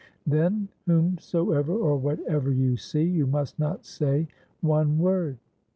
Then whom soever or whatever you see, you must not say one word."